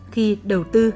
khi đầu tư